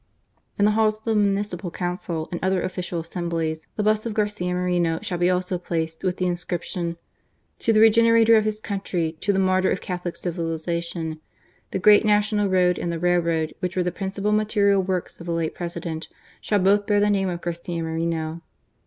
" In the halls of the Municipal Council and other <^cial assemblies, the bust of Garcia Moreno shall be THE MOURNING. 311 also placed, with the inscription : To the Regenerator of his country ; to the Martyr of Catholic Civilization^ The great national road and the railroad, which were the principal material works of the late President, shall both bear the name of Garcia Moreno."